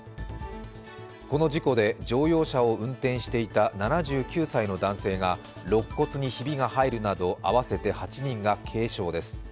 この事故で乗用車を運転していた７９歳の男性がろっ骨にひびが入るなど合わせて８人が軽傷です。